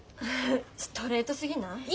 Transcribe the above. ストレートすぎない？